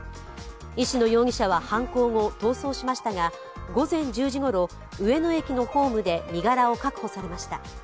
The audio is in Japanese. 石野容疑者は犯行後、逃走しましたが午前１０時ごろ、上野駅のホームで身柄を確保されました。